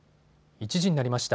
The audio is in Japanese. １時になりました。